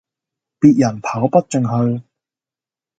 別人跑不進去